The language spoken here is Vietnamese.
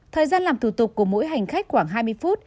thời gian làm thủ tục của mỗi hành khách khoảng hai mươi phút